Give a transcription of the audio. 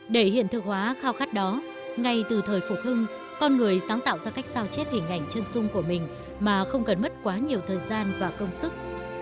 để hiện thực hóa khao khát đó ngay từ thời phục hưng con người sáng tạo ra cách sao chép hình ảnh chân dung của mình mà không cần mất quá nhiều thời gian và công sức